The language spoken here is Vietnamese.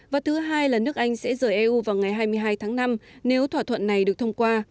và thứ hai là nước anh sẽ rời eu vào ngày hai mươi hai tháng năm nếu thỏa thuận này được thông qua